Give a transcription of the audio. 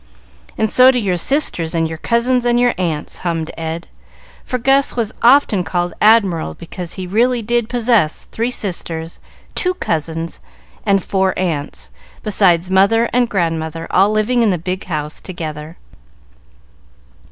"And so do your sisters and your cousins and your aunts," hummed Ed, for Gus was often called Admiral because he really did possess three sisters, two cousins, and four aunts, besides mother and grandmother, all living in the big house together.